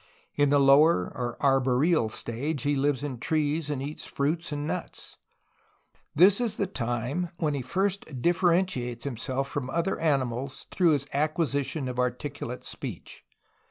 In the lower or arboreal stage he lives in trees, and eats fruits and nuts. This is the time when he first differ entiates himself from other animals through his acquisition of articulate speech.